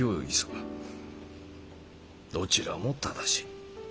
どちらも正しい。